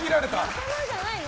仲間じゃないの？